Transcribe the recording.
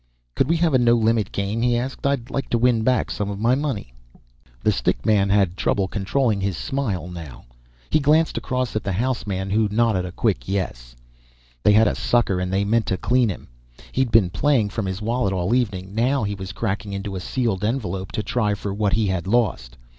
"Could we have a no limit game?" he asked, "I'd like to win back some of my money." The stick man had trouble controlling his smile now, he glanced across at the house man who nodded a quick yes. They had a sucker and they meant to clean him. He had been playing from his wallet all evening, now he was cracking into a sealed envelope to try for what he had lost.